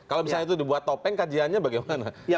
kalau misalnya itu dibuat topeng kajiannya bagaimana